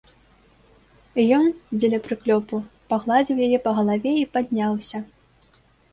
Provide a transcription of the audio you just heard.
Ён, дзеля прыклёпу, пагладзіў яе па галаве і падняўся.